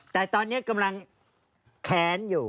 แต่ตอนนี้กำลังแค้นอยู่